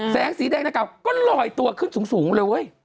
แสงสีแดงหน้ากากก็ลอยตัวขึ้นสูงเลย